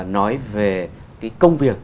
nói về công việc